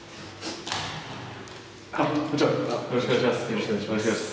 よろしくお願いします。